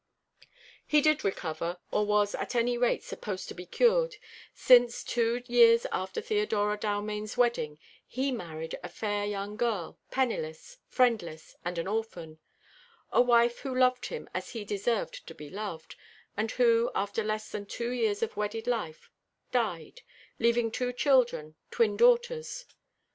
He did recover, or was, at any rate, supposed to be cured, since, two years after Theodora Dalmaine's wedding, he married a fair young girl, penniless, friendless, and an orphan; a wife who loved him as he deserved to be loved, and who, after less than two years of wedded life, died, leaving two children, twin daughters.